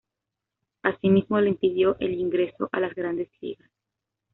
Asimismo le impidió el ingreso a las grandes ligas.